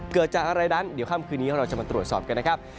เกิดจากอะไรนั้นเดี๋ยวค่ำคืนนี้เราจะมาตรวจสอบกันนะครับ